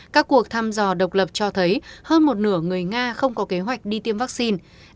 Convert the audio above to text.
các cuộc thăm dò độc lập cho thấy hơn một nửa người nga không có kế hoạch đi tiêm vaccine